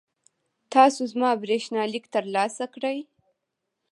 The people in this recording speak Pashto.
تاسو زما برېښنالیک ترلاسه کړی؟